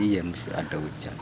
iya masih ada hujan